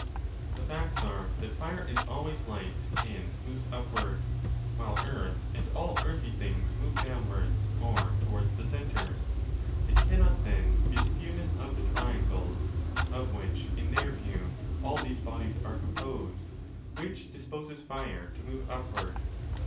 The facts are that fire is always light and moves upward, while earth and all earthy things move downwards or 15 towards the centre. It cannot then be the fewness of the triangles (of which, in their view, all these bodies are com posed) * which disposes fire to move upward.